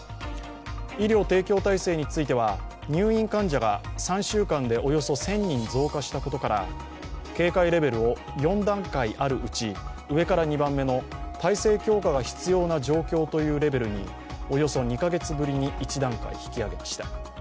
医療提供体制については入院患者が３週間でおよそ１０００人増加したことから警戒レベルを４段階あるうち上から２番目の体制強化が必要な状況というレベルに、およそ２か月ぶりに１段階引き上げました。